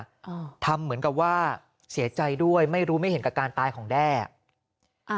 อืมทำเหมือนกับว่าเสียใจด้วยไม่รู้ไม่เห็นกับการตายของแด้อ่ะอ่า